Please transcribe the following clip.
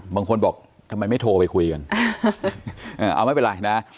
บางคนบอกทำไมไม่โทรไปคุยกันเอาไม่เป็นไรนะ